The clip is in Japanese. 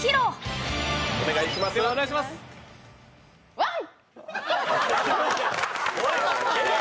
ワン！